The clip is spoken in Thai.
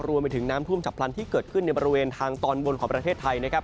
รวมไปถึงน้ำท่วมฉับพลันที่เกิดขึ้นในบริเวณทางตอนบนของประเทศไทยนะครับ